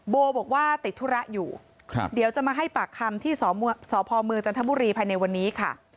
โบบอกว่าติดธุระอยู่เดี๋ยวจะมาให้ปากคำที่สพเมืองจันทบุรีภายในวันนี้ค่ะ